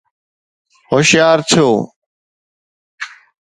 هوشيار ٿيو